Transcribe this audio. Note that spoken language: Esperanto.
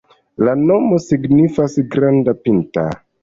La nomo signifas granda-pinta.